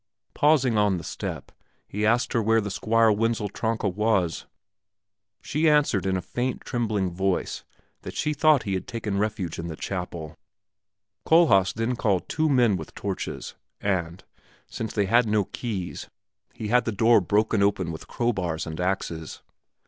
Pausing on the step, he asked her where the Squire Wenzel Tronka was. She answered in a faint trembling voice that she thought he had taken refuge in the chapel. Kohlhaas then called two men with torches, and, since they had no keys, he had the door broken open with crowbars and axes.